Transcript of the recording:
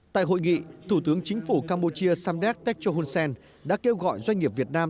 tại hội nghị thủ tướng chính phủ campuchia samdeck techo hunsen đã kêu gọi doanh nghiệp việt nam